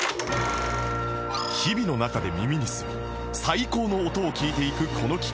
日々の中で耳にする最高の音を聴いていくこの企画